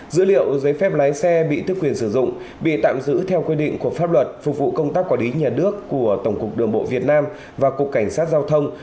dữ liệu giấy phép lái xe bị tức quyền sử dụng bị tạm giữ theo quy định của pháp luật phục vụ công tác quản lý nhà nước của tổng cục đường bộ việt nam và cục cảnh sát giao thông